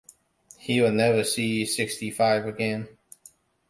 He will never see sixty-five again.